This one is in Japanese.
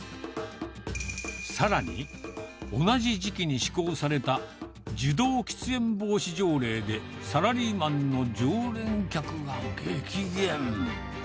さらに、同じ時期に施行された受動喫煙防止条例で、サラリーマンの常連客が激減。